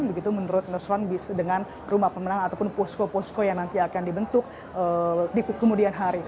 begitu menurut nusron dengan rumah pemenang ataupun posko posko yang nanti akan dibentuk di kemudian hari